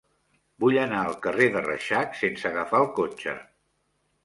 Vull anar al carrer de Reixac sense agafar el cotxe.